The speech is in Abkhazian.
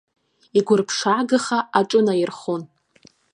Игәырԥшаагаха аҿынаирхон.